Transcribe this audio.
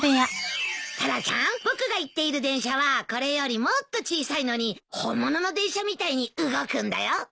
タラちゃん僕が言っている電車はこれよりもっと小さいのに本物の電車みたいに動くんだよ。